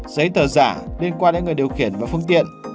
giấy tờ giả liên quan đến người điều khiển và phương tiện